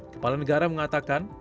kepala negara mengatakan